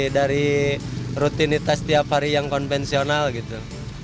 dari rutinitas tiap hari yang konvensional gitu